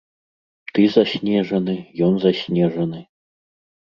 Ты заснежаны, ён заснежаны.